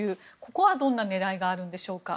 ここはどういう狙いがあるんでしょうか。